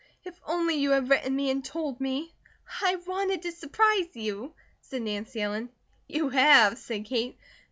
If only you had written me and told me." "I wanted to surprise you," said Nancy Ellen. "You have," said Kate.